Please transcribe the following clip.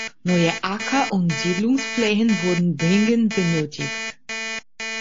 Neue Acker- und Siedlungsflächen wurden dringend benötigt.